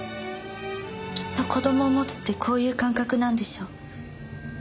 きっと子供を持つってこういう感覚なんでしょう。